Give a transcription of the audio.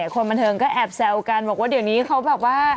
คนบันเทิงก็แอบแซวกันบอกว่าเดี๋ยวนี้เขาแบบว่า